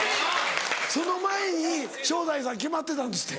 その前に正代さん決まってたんですって。